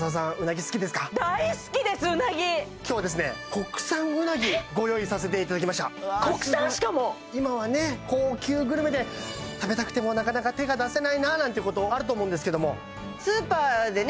国産うなぎご用意させていただきました今はね高級グルメで食べたくてもなかなか手が出せないななんてことあると思うんですけどもスーパーでね